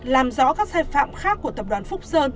làm rõ các sai phạm khác của tập đoàn phúc sơn